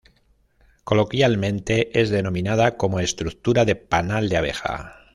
Coloquialmente, es denominada como estructura de panal de abeja.